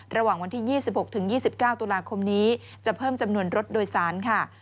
ระหว่างวันที่๒๖๒๙ตุลาคมนี้จะเพิ่มจำนวนรถโดยสารค่ะ